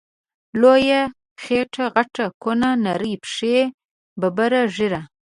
لويه خيټه غټه کونه، نرۍ پښی ببره ږيره